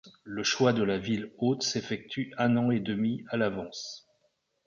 Le choix de la ville-hôte s'effectue un an et demi à l'avance.